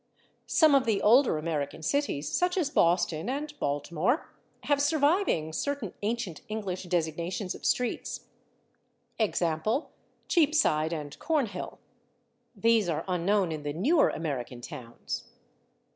Some of the older American cities, such as Boston and Baltimore, have surviving certain ancient English designations of streets, /e. g./, /Cheapside/ and /Cornhill/; these are unknown in the newer American towns.